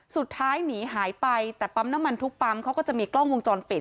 สุดท้ายหนีหายไปแต่ปั๊มน้ำมันทุกปั๊มเขาก็จะมีกล้องวงจรปิด